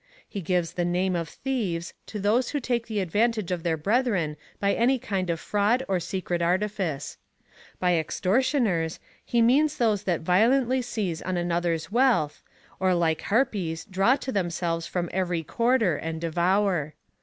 He gives the name of thieves to those who take the advantage of their brethren by any kind of fraud or secret artifice. By extortioners, he means those that violently seize on another's wealth, or like harpies^ draw to themselves from every quarter, and devour.